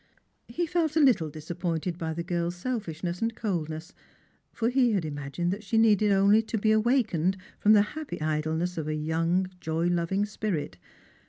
He felt a httle disappointed by the girl's selfishness and coldness; for he had imagined that she needed only to be awakened from the happy idleness of a young joy loving spirit.